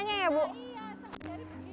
iya sehari hari begini